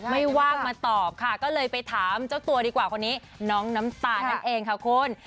ไม่ว่างมาตอบค่ะก็เลยไปถามเจ้าตัวดีกว่าคนนี้น้องน้ำตาลนั่นเองค่ะคุณ